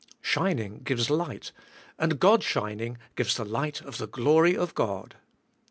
Shining gives light, and God shining gives the light of the glory of God.